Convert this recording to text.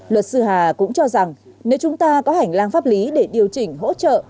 luật sư hà cũng cho rằng nếu chúng ta có hành lang pháp lý để điều chỉnh hỗ trợ